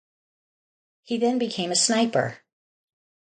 He then became a sniper.